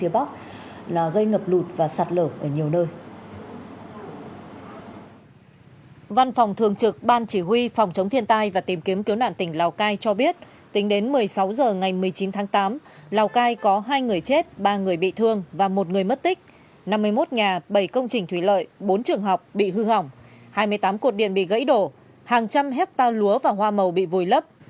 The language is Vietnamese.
ban chỉ huy phòng chống thiên tai và tìm kiếm cứu nạn tỉnh lào cai cho biết tính đến một mươi sáu h ngày một mươi chín tháng tám lào cai có hai người chết ba người bị thương và một người mất tích năm mươi một nhà bảy công trình thủy lợi bốn trường học bị hư hỏng hai mươi tám cuộc điện bị gãy đổ hàng trăm hecta lúa và hoa màu bị vùi lấp